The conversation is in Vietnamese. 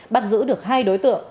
bắt giữ được hai đối tượng